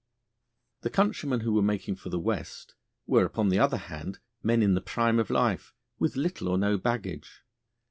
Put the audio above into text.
The countrymen who were making for the West were upon the other hand men in the prime of life, with little or no baggage.